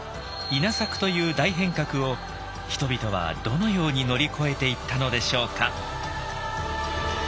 稲作という大変革を人々はどのように乗り越えていったのでしょうか。